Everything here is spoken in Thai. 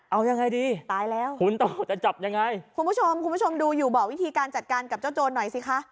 เอายังไงดีตายแล้วคุณต่อจะจับยังไงคุณผู้ชมคุณผู้ชมดูอยู่บอกวิธีการจัดการกับเจ้าโจรหน่อยสิคะ